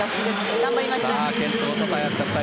頑張りました。